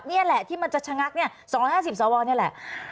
นี่แหละที่มันจะชะงักเนี่ย๒๕๐สวนี่แหละ